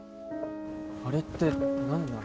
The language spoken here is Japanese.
あれって何なの？